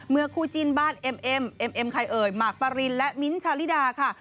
คู่จิ้นบ้านเอ็มเอ็มเอ็มเอ็มใครเอ่ยหมากปรินและมิ้นท์ชาลิดาค่ะ